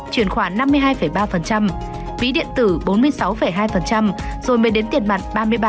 chuyển khoản năm mươi hai ba ví điện tử bốn mươi sáu hai rồi mới đến tiền mặt ba mươi ba